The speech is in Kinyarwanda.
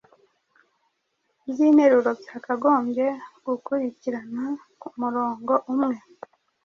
by’interuro byakagombye gukurikirana ku murongo umwe